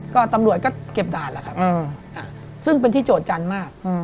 ก็ตำรวจก็เก็บด่านแหละครับซึ่งเป็นที่โจทยจันทร์มาก